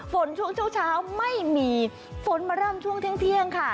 ช่วงเช้าไม่มีฝนมาเริ่มช่วงเที่ยงค่ะ